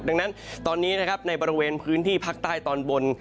ดังนั้นตอนนี้นะครับในบริเวณพื้นที่ภาคใต้ตอนบน